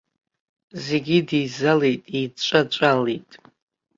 Зегьы идеизалт, еидҵәаҵәалт.